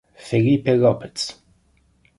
Felipe López